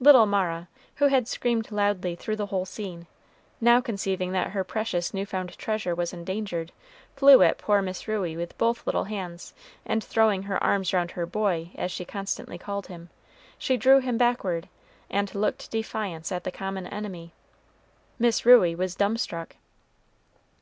Little Mara, who had screamed loudly through the whole scene, now conceiving that her precious new found treasure was endangered, flew at poor Miss Ruey with both little hands; and throwing her arms round her "boy," as she constantly called him, she drew him backward, and looked defiance at the common enemy. Miss Ruey was dumb struck.